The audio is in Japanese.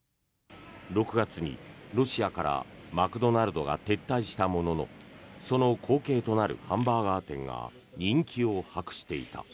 ６月にロシアからマクドナルドが撤退したもののその後継となるハンバーガー店が人気を博していた。